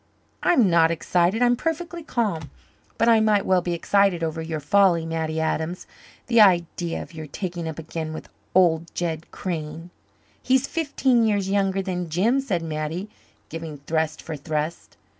"I'm not excited. I'm perfectly calm. But I might well be excited over your folly, Mattie Adams. The idea of your taking up again with old Jed Crane!" "He's fifteen years younger than Jim," said Mattie, giving thrust for thrust.